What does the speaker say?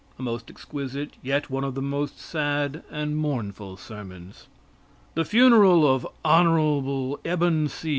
A Most Exquisite, Yet One Of The Most Sad And Mournful Sermons The funeral of Hon. Ebon C.